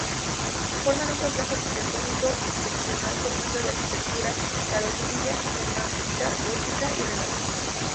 Forman un complejo arquitectónico excepcional, con muestras de arquitectura carolingia, románica, gótica y renacentista.